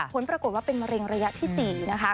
ผลปรากฏว่าเป็นมะเร็งระยะที่๔นะคะ